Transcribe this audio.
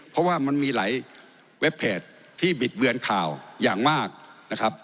เพราะว่ามันมีหลายเว็บเพจที่บิดเบือนข่าวอย่างมากนะครับ